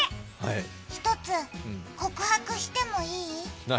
一つ告白してもいい？